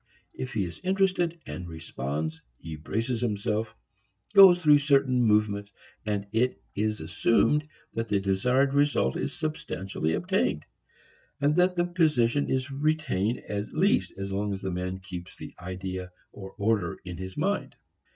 If he is interested and responds, he braces himself, goes through certain movements, and it is assumed that the desired result is substantially attained; and that the position is retained at least as long as the man keeps the idea or order in his mind.